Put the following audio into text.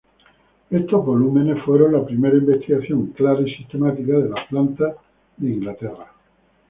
Estos volúmenes fueron la primera investigación clara y sistemática de las plantas de Inglaterra.